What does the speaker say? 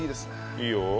いいよ。